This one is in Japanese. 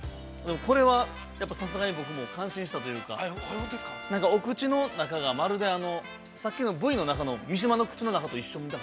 ◆これはやっぱり、さすがに僕も感心したというか、なんかお口の中が、まるでさっきのＶの中の、三島の口の中と一緒。